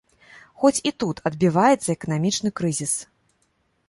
Хоць і тут адбіваецца эканамічны крызіс.